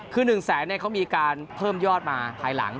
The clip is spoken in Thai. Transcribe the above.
คือ๑แสนเขามีการเพิ่มยอดมาภายหลัง